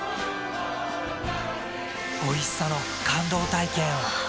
おいしさの感動体験を。